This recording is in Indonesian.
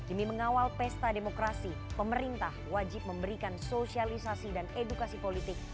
demi mengawal pesta demokrasi pemerintah wajib memberikan sosialisasi dan edukasi politik